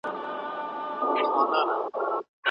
هغه مهال چې روغتیا ته پام واوړي، د خلکو ژوند اسانه کېږي.